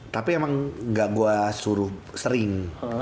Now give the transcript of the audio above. tapi emang gak gue suruh sering